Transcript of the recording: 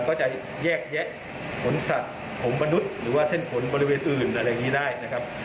ก็จะแยกแยะขนสัตว์ขนมนุษย์หรือว่าเส้นขนบริเวณอื่นอะไรอย่างนี้ได้นะครับ